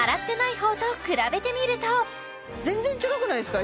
全然違くないですか？